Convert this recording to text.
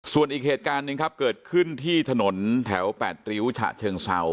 ส่วนอีกเหตุการณ์หนึ่งครับเกิดขึ้นที่ถนนแถว๘ริ้วฉะเชิงเศร้า